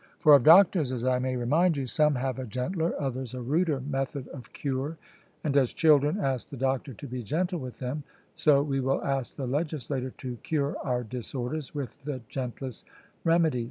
For of doctors, as I may remind you, some have a gentler, others a ruder method of cure; and as children ask the doctor to be gentle with them, so we will ask the legislator to cure our disorders with the gentlest remedies.